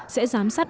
sẽ giám sát hoạt động